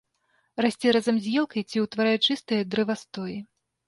Расце разам з елкай ці ўтварае чыстыя дрэвастоі.